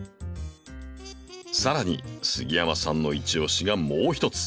さらに杉山さんのイチオシがもう一つ。